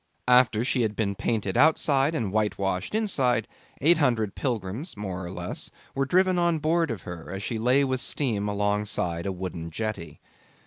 After she had been painted outside and whitewashed inside, eight hundred pilgrims (more or less) were driven on board of her as she lay with steam up alongside a wooden jetty.